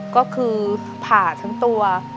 ก็คือผ่าทั้งตัว